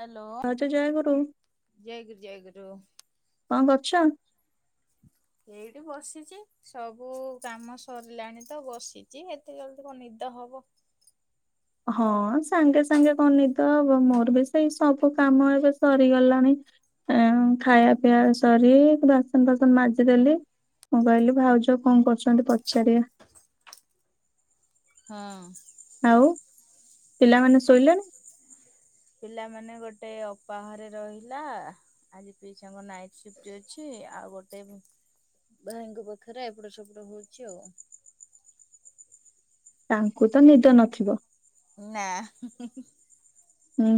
Hello ଭାଉଜ ଜୟଗୁରୁ ଜୟ ଗୁରୁ ଜୟ ଗୁରୁ। କଣ କରୁଛ? [inaudible] ଏଇଠି ବସିଛି ସବୁ କାମ ସରିଲାଣି ତ ବସିଛି। ଏତେ ଜଲଦି କଣ ନିଦ ହବ। ହଁ ସାଙ୍ଗେ ସାଙ୍ଗେ କଣ ନିଦ ହବ ମୋର ବି ସେଇ ସବୁ କାମ ଏବେ ସରିଗଲାଣି। ଏଁ ଖାଇବା ପିଆବା ସରି ବାସନଫାସନ ମାଜିଦେଲି। ମୁଁ କହିଲି ଭାଉଜ କଣ କରୁଛନ୍ତି ପଚାରିବା। ହଁ। ଆଉ ପିଲାମାନେ ଶୋଇଲେଣି? ପିଲାମାନେ ଗୋଟେ ଅପାଘରେ ରହିଲା। ଆଜି ପିସା ଙ୍କ ନାଇଟି ସିଫ୍ଟ ଅଛି ଆଉ ଗୋଟେ। ଭାଇଙ୍କ ପାଖରେ ଏପଟ ସେପଟ ହଉଛି ଆଉ। ତାଙ୍କୁ ତ ନିଦ ନଥିବ। ନା ହୁଁ ହୁଁ ହୁଁ। ହୁଁ।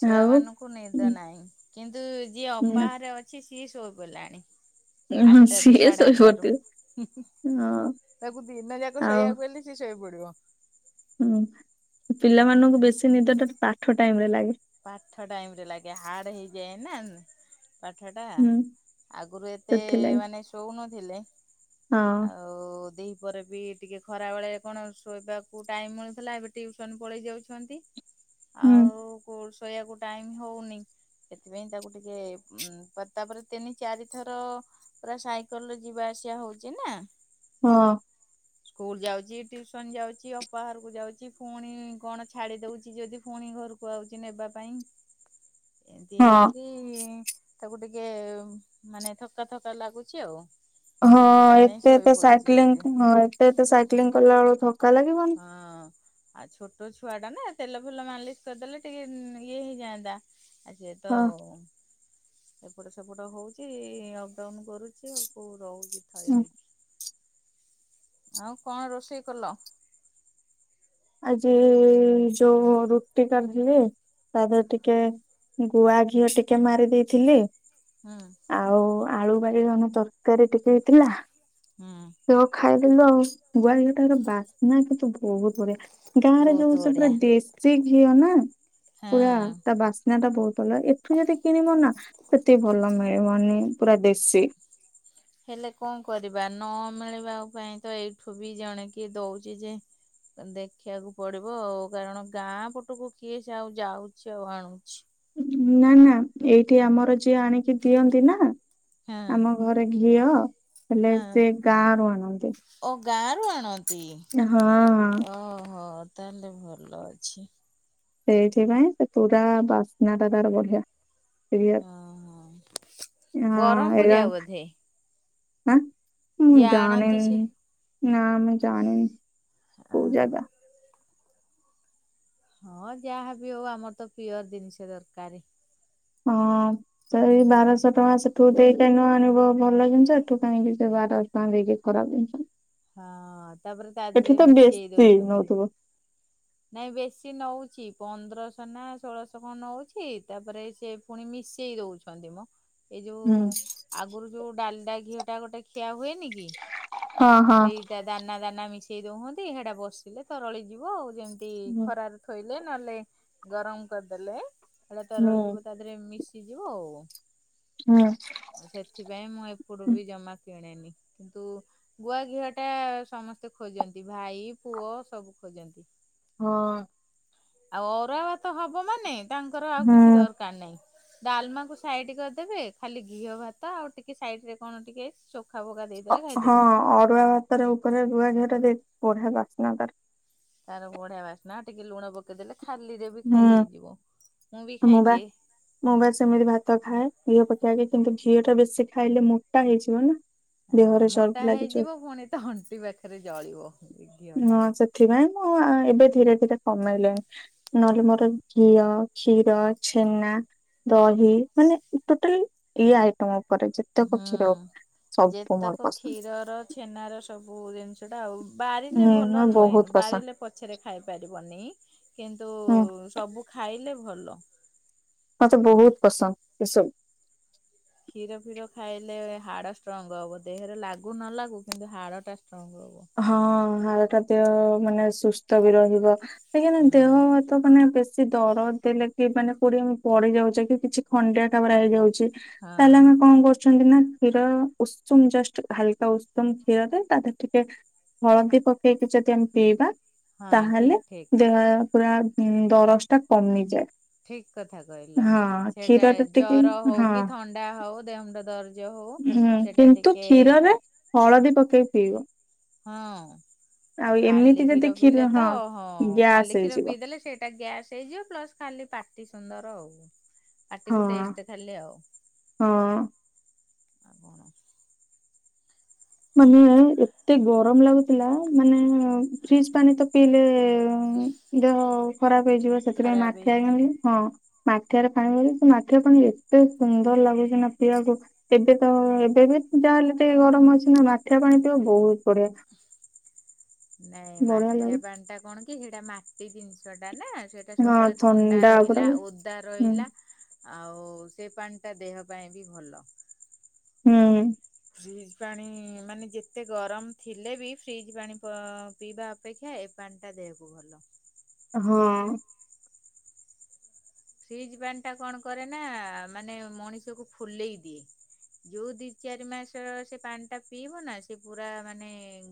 ଛୁଆ ଆଉ ମାନଙ୍କୁ ନିଦ ଉଁ, ନାହିଁ କିନ୍ତୁ ଯିଏ ଅପା ନା ଘରେ ଅ ଛି ସିଏ ସଇ ଶୋଇ ପଡିଲାଣି। ହଁ ଆଠଟା ର ସିଏ ସାଢେ ଆଠଟା ଶୋଇପଡିଥିବେ ର ହଁ ତାକୁ ଦିନ ଯାକ ଆଉ ଶୋଇବାକୁ କହିଲେ। ସେ ଶୋଇ ପଡିବ। ହୁଁ ପିଲା ମାନଙ୍କୁ ବେଶୀ ନିଦଟା ପାଠ ଟାଇମ ରେ ଲାଗେ। ପାଠ ଟାଇମ୍ ରେ ଲାଗେ ହାର୍ଡ ହେଇଯାଏ ନା ପାଠ ଟା ହୁଁ ଆଗରୁ ଏତେ ସେଥିଲାଗି ମାନେ ଶୋଉନଥିଲେ ହଁ ଆଉ ଆଉ ଦିହି ପରେ ବି ଟିକେ ଖରାବେେଳେ କଣ ଶୋଇବାକୁ ଟାଇମ୍ ମିଳୁଥିଲା ଏବେ ଟ୍ୟୁସନ୍ ପଳେଇ ଯାଉଛନ୍ତି ହୁଁ ଆଉ କଉ ଶୋଇବାକୁ ଟାଇମ୍ ହଉନି ସେଥିପାଇଁ ତାକୁ ଟିକେ ଉଁ-ତାପରେ ତିନି ଚାରି ଥର ପୁରା ସାଇକେଲରେ ଯିବା ଆସିବା ହଉଚି ନା ହଁ। ସ୍କୁଲ୍ ଯାଉଚି, ଟିଉସନ୍ ଯାଉଚି ଅପା ହରକୁ ଯାଉଚି ଫୁଣି କଣ ଛାଡି ଦଉଚି ଯଦି ଫୁଣି ଘରକୁ ପଳଉଚି ନେବା ପାଇଁ। ଏମତି ହଁ ହେଇକିରି ତାକୁ ଟିକେ ମାନେ ଥକା ଥକା ଲାଗୁଚି ଆଉ। ହଁ ସେଥିପାଇଁ ଏତେ ଶୋଇ ଏତେ ପଡୁଛି ସାଇକ୍ଲିଂ ଜଲ୍ଦି। ହଁ -ଏତେ ଏତେ ସାଇକ୍ଲିଂ କଲା ବେଳକୁ ଥକା ଲାଗିବ ହଁ ଆଉ ଛୋଟ ଛୁଆ ଟା ନା ତେଲ ଫେଲ ମାଲିସ୍ କରିଦେଲେ ଟିକେ ଇଏ ହେଇଯାଆନ୍ତା। ଆ ସେତ ହଁ ଏପଟ ସେପଟ ହଉଚି ଅପଡାଉନ୍ କରୁ ସିଏ ଆଉ କଉ ରହୁଚି ଥୟ ହୁଁ। ହେଇକି। ଆଉ କଣ ରୋଷେଇ କଲ? ଆଜି ଯଉ ରୁଟି କରିଥିଲି ତା ଦେହେରେ ଟିକେ ଗୁଆ ଘିଅ ଟିକେ ମାରି ଦେଇଥିଲି ହୁଁ। ଆଉ ଆଳୁ ବାଇଗଣ ତରକାରୀ ଟିକେ ହେଇଥିଲା ହୁଁ। ସେଇଆ କୁ ଖାଇଦେଲୁ ଆଉ ଗୁଆଘିଅ ଟା ବାସ୍ନା କିନ୍ତୁ ବହୁତ୍ ବଢିଆ। ଗାଁ ରେ ବହୁତ ଯଉ ସେ ପୁରା ବଢ଼ିଆ। ଦେଶୀ ଘିଅ ନା ପୁରା ହଁ। ତା ବାସ୍ନା ଟା ବହୁତ୍ ଭଲ୍ ଲାଗେ ଏ ଏଠୁ ଯଦି କିଣିବ ନା ସେତିକି ଭଲ ମିଳିବନି ପୁରା ଦେଶୀ ହେଲେ କଣ କରିବା ନ ମିଳିବା ପାଇଁ ତ ଏଇଠୁ ବି ଜଣେ କିଏ ଦଉଚି ଯେ ଦେଖିବାକୁ ପଡିବ ଆଉ କାରଣ ଗାଁ ପଟକୁ କିଏ ସେ ଆଉ ଯାଉଚି ଆଉ ଆଣୁଚି। ନା ନା ଏଇଠି ଆମର ଯିଏ ଆଣିକି ଦିଅନ୍ତି ନା ଆମ ହଁ ଆମ ଘରେ ଘିଅ ହେଲେ ହଁ ସେ ଗାଁ ରୁ ଆଣନ୍ତି। ଓ ଗାଁ ରୁ ଆଣନ୍ତି ହଁ ଓ-ହ ତାହେଲେ ଭଲ ଅଛି। ସେଇଥିପାଇଁ ସେ ପୁରା ବାସ୍ନା ଟା ତାର ବଢିଆ। ଘିଅ। ହଁ- ହଁ ହଁ ଏଇରା ବରହ୍ମପୁରିଆ ବୋଧେ? ଆଁ। ମୁଁ ଯିଏ ଆଣନ୍ତି ସେ ଜାଣିନି ନା ଆମେ ଜାଣିନୁ କଉ ଓହୋ ଜାଗା। ହଁ ଯାହାବି ଆଉ ଆମର ତ ପିଓର ଜିନିଷ ଦରକାରେ। ହଁ। ତ ଏଇ ବାରଶ ଟଙ୍କା ସେଠୁ ଦେଇ କାଇଁ ନ ଆଣିବ ଭଲ ଜିନିଷ ଏଠୁ କାହିଁକି ସେ ବାରଶ ଦେଇକି ଖରାପ୍ ଜିନିଷ ହଁ ତାପରେ ତା ଦେହରେ ଏଠି ତ ମିଶେଇ ବେଶୀ ଦଉଛନ୍ତି। ନଉଥିବ ନାଇଁ ବେଶୀ ନଉଚି ପନ୍ଦରଶ ନା ଷୋଳଶ କଣ ନଉଚି ତାପରେ ସେ ପୁଣି ମିଶେଇ ଦଉଚନ୍ତି ମ। ଏଇ ଯଉ ହୁଁ ଆଗୁରୁ ଯଉ ଡାଲଡା ଘିଅ ଟେ ଗୋଟେ ଖିଆ ହୁଏନି କିଏ ହଁ ହଁ ସେଇ ସେ ଦାନା ଦାନା ମିଶେଇ ଦଉଚନ୍ତି ସେଟା ବସିଲେ ତରଳି ଯିବ ଆଉ ଯେମିତି ହୁଁ ଖରାରେ ଥୋଇଲେ ନହେଲେ ଗରମ୍ କରିଦେଲେ ହେଲେ ତରଳ ହୁଁ ଯିବ ତା ତାଥିରେ ମିଶିଯିବ ଆଉ। ହୁଁ। ଆଉ ସେଥିପାଇଁ ମୁଁ ଏପଟୁ ବି ଜମା କିଣେନି କିନ୍ତୁ ଗୁଆ ଘିଅ ଟା ସମସ୍ତେ ଖୋଜନ୍ତି ଭାଇ ପୁଅ ସବୁ ଖୋଜନ୍ତି। ହଁ। ଆଉ ଅରୁଆ ଭାତ ହବ ମାନେ ତାଙ୍କର ଆଉ ହୁଁ କିଛି ଦର୍ କାର୍ ନାହିଁ ଡାଲ୍ମା କୁ ସାଇଡ୍ କରିଦେବେ ଖାଲି ଘିଅ ଭାତ ଆଉ ଟିକେ ସାଇଡ୍ ରେ କଣ ଟିକେ [unintelligible] ହଁ ଖାଇଦେବେ। ଅରୁଆ ଭାତର ଉପରେ ରୁଆଝର ଦେଇ ବଢିଆ ବାସ୍ନା ତାର ବଢିଆ ବାସ୍ନା ଟିକେ ଲୁଣ ପକେଇଦେଲେ ଖାଲିରେ ବି ଖାଇ ହୁଁ ହେଇଯିବ ମୁଁ ବି ଖାଇଦିଏ। ମୁଁ ବା ସେମିତି ଭାତ ଖାଏ ଘିଅ ପକେଇକି କିନ୍ତୁ ଘିଅ ଟା ବେଶୀ ଖାଇଲେ ମୋଟା ହେଇଯିବ ନା। ହଁ ଦେହରେ ଚର୍ବି ମୋଟା ଲାଗିଯିବ ହେଇଯିବ ପୁଣି ତ ଅଣ୍ଟି ପାଖରେ ଜଳିବ। ଘିଅ ଟା ହଁ ସେଥିପାଇଁ ମୁଁ ଏବେ ଧୀରେ ଧୀରେ କମେଇଲେଣି ନହେଲେ ମୋର ଘିଅ, କ୍ଷୀର, ଛେନା ଦହି ମାନେ ଟୋଟାଲ ଇଏ ଆଇଟମ ଉପରେ ଯେତେକ ହୁଁ କ୍ଷୀର ସବୁ ମୋର ଯେତେକ ପସନ୍ଦ। କ୍ଷୀରର ଛେନାର ସବୁ ଜିନିଷଟା ଆଉ ବାରିଲେ ହୁଁ ଭଲ ମୋର ବହୁତ ନୁହେଁ ପସନ୍ଦ ବାରିଲେ ପଛରେ ଖାଇପାରିବନି କିନ୍ତୁ ହୁଁ ସବୁ ଖାଇଲେ ଭଲ। ମତେ ବହୁତ ପସନ୍ଦ ଏସବୁ। କ୍ଷୀର ଫିର ଖାଇଲେ ହାଡ଼ ଷ୍ଟ୍ରଙ୍ଗ ହବ ଦେହରେ ଲାଗୁ ନ ଲାଗୁ କିନ୍ତୁ ହାଡ଼ ଟା ଷ୍ଟ୍ରଙ୍ଗ ହବ। ହଁ ହାଡ଼ ଟା ଦେହ ମାନେ ସୁସ୍ଥ ବି ରହିବ କାହିଁକି ନା ଦେହ ହୁଁ ତ ମାନେ ବେଶୀ ଦର ଦେଲେ କି ମାନେ କୋଡିଏ ପଡି ଯାଉଛେ କି କିଛି ଖଣ୍ଡିଆ ଖାବରା ହେଇଯାଉଛି ତାହେଲେ ଆମେ ହଁ କଣ କରୁ ଛନ୍ତି ନା କ୍ଷୀର ଉଷୁମ ଜଷ୍ଟ ହାଲକା ଉଷୁମ କ୍ଷୀରରେ ତା ଦେରେ ଟିକେ ହଳଦୀ ପକେଇକି ଯଦି ଆମେ ପିଇବା ହଁ ଠିକ ତାହେଲେ ଠିକ। ଦେହ ପୁରା ଦରଜ ଟା କମି ଯାଏ। ଠିକ କଥା କହିଲ। ସେଟା ଟିକେ ଜର ହଉ ହଁ କି ଥଣ୍ଡା ହଉ ଦେହମୁଣ୍ଡ ଦରଜ ହଉ ହୁଁ ସେଟା କିନ୍ତୁ ଟିକେ କ୍ଷୀରରେ ହଳଦୀ ପକେଇ ପିଇବ। ହଁ ଆଉ ଖାଲି କ୍ଷୀର ପିଇଲେ ତ ହଁ ଗ୍ୟାସ୍ ଖାଲି କ୍ଷୀର ହେଇଯିବ। ପିଇଦେଲେ ସେଇ ଟା ଗ୍ୟାସ୍ ହେଇଯିବ ପ୍ଲସ ଖାଲି ପାଟି ସୁନ୍ଦର ଆଉ। ହଁ ପାଟିକୁ ଟେଷ୍ଟ ଖାଲି ଆଉ। ହଁ ମାନେ ଏତେ ଗରମ ଲାଗୁଥିଲା ମାନେ ଫ୍ରିଜ ପାଣି ତ ପିଇଲେ ଦେହ ଖରାପ ହେଇଯିବ। ସେଥିପାଇଁ ଖରାପ ମାଠିଆ ହେଇଯିବ। [unintelligible] ହଁ। ମାଠିଆରେ ପାଣି ବ ସେ ମାଠିଆ ପାଣି ଏତେ ସୁନ୍ଦର ଲାଗୁଛି ନା ପିଇବାକୁ ଏବେ ତ ଏବେ ବି ଯାହାହେଲେ ଟିକେ ଗରମ ଅଛି ନା ମାଠିଆ ପାଣି ପିଅ ବହୁତ ବଢିଆ। ନାଇଁ ବଢିଆ ମାଠିଆ ଲାଗେ ପାଣି ଟା କଣ କି ସେଇଟା ମାଟି ଜିନିଷ ଟା ନା ସେ ଏଟା ହଁ ସବୁବେଳେ ଥଣ୍ଡା ପୁରା ରହିଲା ହୁଁ ଓଦା ରହିଲା ଆଉ ସେ ପାଣି ଟା ଦେହ ପାଇଁ ବି ଭଲ। ହୁଁ। ଫ୍ରିଜ ପାଣି ମାନେ ଯେତେ ଗରମ ଥିଲେ ବି ଫ୍ରିଜ ପାଣି ପିଇବା ପେକ୍ଷା ଏ ପାଣିଟା ଦେହକୁ ଭଲ। ହଁ। ଫ୍ରିଜ ପାଣିଟା କଣ କରେ ନା ମାନେ ମଣିଷକୁ ଫୁଲେଇ ଦିଏ। ଯୋଉ ଦି ଚାରି ମାସ ସେ ପାଣି ଟା ପିଇବ ନା ସେ ପୁରା ମାନେ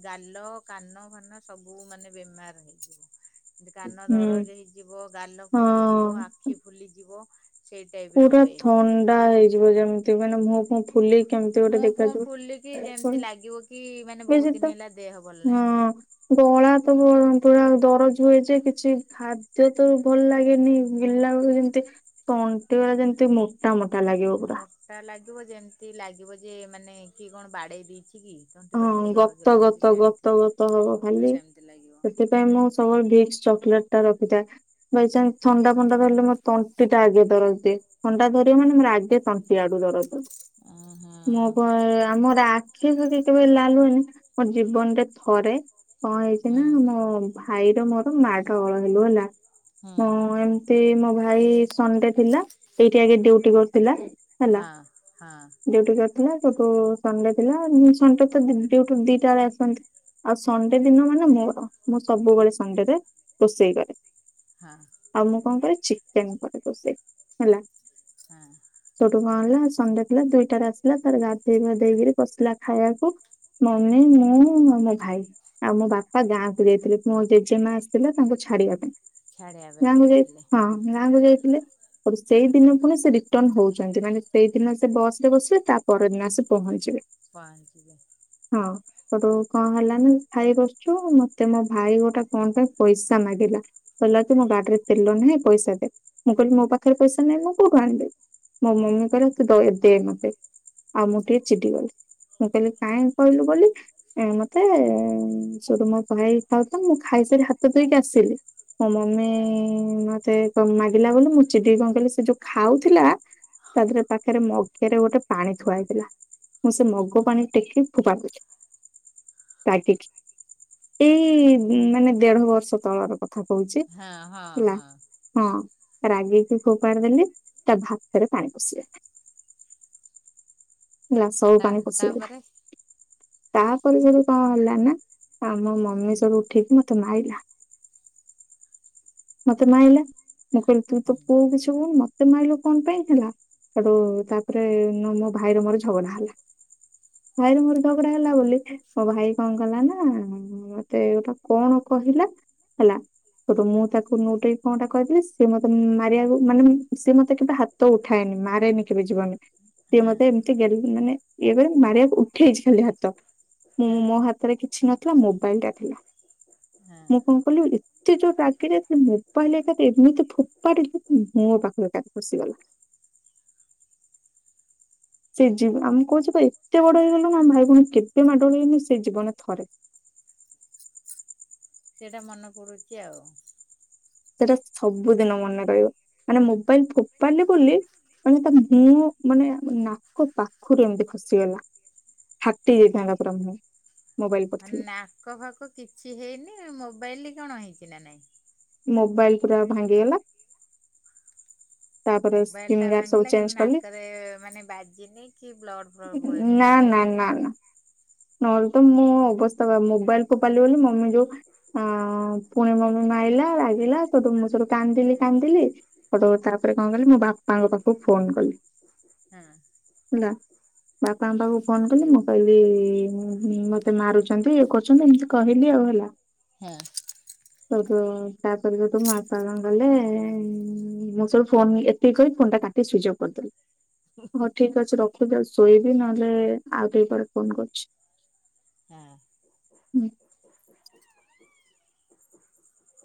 ଗାଲ କାନ ଫାନ ସବୁ ମାନେ ବେମାର ହେଇଯିବ। କାନ ହୁଁ ଦରଜ ହେଇଯିବ ଗାଲ ଫୁଲିଯିବ ହଁ ଆଖି ଫୁଲିଯିବ। ସେଇ ଟାଇପ ର ପୁରା ହୁଏ। ଥଣ୍ଡା ହେଇଯିବ ଯେମିତି ମାନେ ମୁହଁ ଫୁହଁ ଫୁଲି କେମିତି ଗୋଟେ ମୁହଁ ଫୁହଁ ଦେଖାଯିବ [unintelligible] ଫୁଲିକି ଯେମିତି ଲାଗିବ କି ମାନେ ବହୁତ ଦିନ ତ ହେଲା ଦେହ ଭଲ ହଁ। ନାହିଁ। ଗଳା ତ ପୁରା ଦରଜ ହୁଏ ଯେ କିଛି ଖାଦ୍ୟ ତ ଭଲ ଲାଗେନି ଗିଲା ବେଳକୁ ଯେମିତି ଟନ [unintelligible] ଯେମିତି ମୋଟା ମୋଟା ଲାଗିବ ପୁରା। ମୋଟା ଲାଗିବ ଯେମତି ଲାଗିବ ଯେ ମାନେ କିଏ କଣ ବାଡେଇ ଦେଇଛି କି? ତଣ୍ଟି ହଁ ପାଖରେ ଦରଜ ଗତ ଲାଗୁଛି ଗତ ସେମତି ଗତ ଗତ ହବ ତ ଖାଲି ସେମିତି ଲାଗିବ ସେଥିପାଇଁ ମୁଁ ସବୁ ଭିକ୍ସ ଚକଲେଟ ଟା ରଖିଥାଏ ବାଇ ଚାନ୍ସ ଥଣ୍ଡା ଫଣ୍ଡା ଧରିଲେ, ମୋ ତଣ୍ଟି ଟା ଆଗେ ଦରଜ ଦିଏ। ଥଣ୍ଡା ଧରିିବ ମାନେ, ମୋର ଆଗେ ତଣ୍ଟି ଆଡୁ ଦରଜ। ଅଁ, ହଁ। [unintelligible] ଆମର ଆଖିଫାକି କେବେ, ଲାଲ୍ ହୁଏନି, ମୋ ଜୀବନରେ ଥରେ କଣ ହେଇଛି ହୁଁ ନା? ମୋ ଭାଇର ମୋର ମାଡ଼ଗୋଳ ହେଲୁ ହେଲା। ହୁଁ ହଁ, ଏମିତି ମୋ ଭାଇ ସଣ୍ଡେ ଥିଲା। ଏଇଠି ଆଗେ ଡ଼୍ୟୁଟି କରୁଥିଲା। ହଁ, ହଁ। ଡିଉଟିକରଥିଲା, ସେଠୁ ସଣ୍ଡେ ଥିଲା। ସଣ୍ଡେ ତ ଡ୍ୟୁଟି ଦିଟା ବେଳେ ଆସନ୍ତି। ଆଉ, ସଣ୍ଡେ ଦିନ ମାନେ ମୋର। ମୁଁ ସବୁବେଳେ ସଣ୍ଡେରେ ରୋଷେଇ କରେ। ହଁ। ଆଉ, ମୁଁ କଣ କରେ, ଚିକେନ କରେ ରୋଷେଇ ହେଲା। ହଁ। ସେଇଠୁ କଣ ହେଲା, ସଣ୍ଡେ ଥିଲା ଦୁଇଟାରେ ଆସିଲା, ତାର ଗାଧେଇ ପାଧେଇ କିରି ପସିଲା। ଖାଇଆକୁ ମମି, ମୁଁ, ଆଉ, ମୋ ଭାଇ। ଆଉ, ମୋ ବାପା ଗାଁକୁ ଯାଇଥିଲେ, ମୋ ଜେଜେମା ଆସିଥିଲା ତାଙ୍କୁ ଛାଡିବା ପାଇଁ। ଛାଡ଼ିବା ପାଇଁ ଗାଁକୁ ଯାଇ ଯାଇଥିଲେ ହଁ, ଗାଁକୁ ଯାଇଥିଲେ। ହଠୁ ସେଇ ଦିନ ପୁଣି ସେ ରିଟର୍ଣ ହଉଛନ୍ତି। ମାନେ ସେଇଦିନ ସେ ବସ୍ ରେ ବସିବେ, ତା ପରଦିନ ଆସି ପହଞ୍ଚିବେ। ପଅଁଞ୍ଚିବେ। ହଁ। ହଠୁ କଣ ହେଲାନା, ଖାଇ ବସୁଛୁ, ମତେ ମୋ ଭାଇ ଗୋଟେ କଣ ପାଇଁ ପଇସା ମାଗିଲା? କହିଲା କି ମୋ ଗାଡିରେ ତେଲ ନାହିଁ, ପଇସା ଦେ! ମୁଁ କହିଲି ମୋ ପାଖରେ ପଇସା ନାହିଁ, ମୁଁ କୋଉଠୁ ଆଣିବି? ମୋ ହଁ ମମି କହିଲା ତୁ ଦୟା ଦେ ନ ଦେ, ଆଉ ମୁଁ ଟିକେ ଚିଡ଼ି ଗଲି। ମୁଁ କହିଲି କାହିଁ କହିଲୁ ବୋଲି ମତେ-ଏଁ ସେଠୁ ମ ଭାଇ ଖାଉଥାଏ। ମୁଁ ଖାଇସାରି ହାତ ଧୋଇକି ଆସିଲି। ମୋ ହଁ ମମି-ଇଁ ମତେ ମାଗିଲା ବୋଲି, ମୁଁ ଚିଡିକି କଣ କହିଲି, ସେ ଯୋଉ ଖାଉଥିଲା ତା 'ଦେହରେ ପାଖରେ ମଗେରେ ଗୋଟେ ପାଣି ଥୁଆହେଇଥିଲା। ମୁଁ ସେ ମଗ୍ ଗୋ ପାଣି ଟେକିକି ଫୋଫାଡ଼ିଦେଲି। ରାଗିକି, ଏଇ-ଇ ମାନେ ଦେଢ ବର୍ଷ ତଳର କଥା। କହୁଛି ହଁ ହଁ ହେଲା। ହଁ ହଁ, ରାଗିକି ଫୋପାଡ଼ି ଦେଲି। ତା'ଭାତରେ ପାଣି ପଶିଗଲା। ହେଲା ସଉ ତା ପାଣି ପଶିଗଲା। ତାପରେ ତା'ପରେ ଯଉ କଣ ହେଲା ନା ଆମ ମମି ସବୁ ଉଠିକି ମତେ ମାଇଲା। ମତେ ମାଇଲା। ମୁଁ କହିଲି ତୁ ତ ହୁଁ ପୁଅ କିଛି କହୁନୁ, ମତେ ମାଇଲୁ କଣ ପାଇଁ ହେଲା? ହେଠୁ ତା'ପରେ ନୁ ମୋ ଭାଇର ମୋର ଝଗଡା ହେଲା। ଭାଇର ମୋର ଝଗଡା ହେଲା ବୋଲି, ମୋ ଭାଇ କଣ କଲା ନା ମତେ ଗୋଟେ କଣ କହିଲା? ହେଲା ହେଟୁ ମୁଁ ତାକୁ ନୋଉଟେଇ କଣଟା କହିଦେଲି। ସିଏ ମତେ ମାରିବାକୁ ମାନେ ସିଏ ମତେ କେବେ ହାତ୍ ତ ଉଠାଏନି ମାରେନି କେବେ ଯିବନେ। ସିଏ ହଁ ମତେ ଏମିତି ଗେଲ୍ ମାନେ ଇଏ କରି ମାରିଆକୁ ଉଠେଇଛି ଖାଲି ହାତ। ମୁଁ ହଁ ମୋ ହାତରେ କିଛି ନଥିଲା। ମୋବାଇଲ୍ ଟା ଥିଲା। ହଁ ମୁଁ କଣ କଲିି ଏତ୍ ଏତେ ଜୋର୍ ରାଗିଯାଇଥିଲି, ମୋବାଇଲ୍ ଏକାଥରେ ଏମିତି ଫୋଫାଡ଼ିଲି ମୁହଁ ପାଖେରେ ଏକାଥରେ ପଶିଗଲା। ସେ ଜୀ ଆମେ କହୁଛୁ ଏତେ ବଡ ହେଇଗଲୁଣୁ, ଆମେ ଭାଇ ଭଉଣୀ କେବେ ମାଡୋଳୋ ହେଇନି ସେଇ ଜୀବନରେ ଥରେ। ସେଇଟା ମନେ ପଡୁଚି ଆଉ। ସେଇଟା ସବୁଦିନ ମନେ ରହିବ। ମାନେ ମୋବାଇଲ୍ ଫୋପାଡିଲି ବୋଲି ମାନେ ତା ମୁହଁ, ମାନେ ନାକ ପାଖରୁ ଏମିତି ଖସିଗଲା। ଫାଟି ଯାଇଥାନ୍ତା ପୁରା ମୁହଁ। ମୋବାଇଲ ମାନେ ପଡିଥିଲେ ନାକ ଫାଖ କିଛି ହେଇନି, ମୋବାଇଲ କଣ ହେଇଛି ନା ନାଇଁ? ମୋବାଇଲ୍ ପୁରା ଭାଙ୍ଗିଗଲା। ତାପରେ ମୋବାଇଲ ଟା ସ୍କ୍ରିନ୍ ଗାର୍ଡ ସବୁ ଭାଙ୍ଗିଲା କିନ୍ତୁ ଚେଞ୍ଜ କଲି ନାକରେ ମାନେ ବାଜିନି କି ବ୍ଲଡ ପ୍ଲଡ ବୋହିନି ନା ନହେଲେ ନା ନା ନା ନହେଲେ ତ ମୁଁ ଅବସ୍ଥା ବା ମୋବାଇଲ ଫୋପାଡିଲି ବୋଲି ମମି ଯୋଉ ଆ ପୁଣି ମମି ମାଇଲା ରାଗିଲା ସୁଦୁ ସୁଦୁ କାନ୍ଦିଲି କାନ୍ଦିଲି ପଟୁ ତାପରେ କଣ କଲି ମୋ ବାପାଙ୍କ ପାଖକୁ ଫୋନ କଲି ହଁ। ନା ବାପାଙ୍କ ପାଖକୁ ଫୋନ କଲି ମୁଁ କହିଲି ଉଁ ଉଁ ମତେ ମାରୁଛନ୍ତି ଇଏ କରୁଛନ୍ତି ଏମିତି କହିଲି ଆଉ ହେଲା [inaudible] ହେଟୁ ତାପରେ ଯ ତ ମାପା ମାଆ ଗଲେ ମୁଁ ସବୁ ଫୋନ୍ ଏତିକି କହି ଫୋନ୍ ଟା କାଟ ସ୍ୱିଚ୍ ଅଫ୍ କରିଦେଲୁ ହଁ ଠିକ ଅଛି ରଖୁଛିି ଆଉ ଶୋଇବି ନହେଲେ ଆଉ ଟିକେ ପରେ ଫୋନ କରୁଛି ହଁ ହୁଁ।